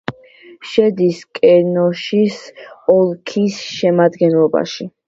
შედის კენოშის ოლქის შემადგენლობაში.